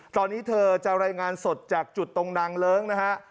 ตอนนี้เธอจะรายงานสดจากจุดตรงนางเลิ้งนะฮะ